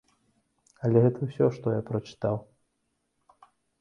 Але гэта ўсё, што я прачытаў.